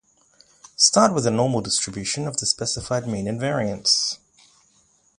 Start with a normal distribution of the specified mean and variance.